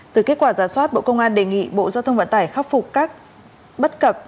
từ kết quả giả soát bộ công an đề nghị bộ giao thông vận tải khắc phục các bất cập